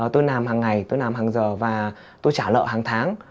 tôi làm hàng ngày tôi làm hàng giờ và tôi trả lợi hàng tháng